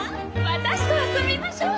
「私と遊びましょ」